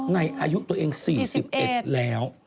อายุตัวเอง๔๑แล้ว